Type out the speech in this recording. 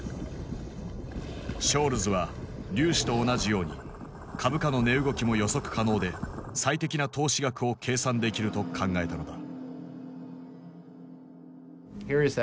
ショールズは粒子と同じように株価の値動きも予測可能で最適な投資額を計算できると考えたのだ。